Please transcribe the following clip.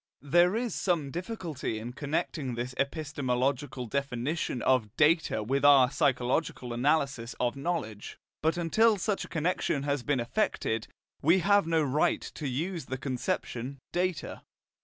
There is some difficulty in connecting this epistemological definition of "data" with our psychological analysis of knowledge; but until such a connection has been effected, we have no right to use the conception "data."